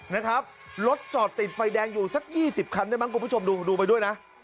นะครับรถจอดติดไฟแดงอยู่สัก๒๐คันได้มั้งคุณผู้ชมดูดูไปด้วยนะ